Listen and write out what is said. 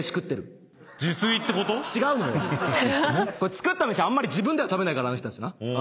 作った飯あんまり自分で食べないからあの人たちな。